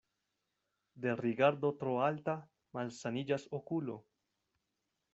De rigardo tro alta malsaniĝas okulo.